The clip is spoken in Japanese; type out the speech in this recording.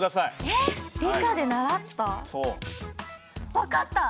分かった！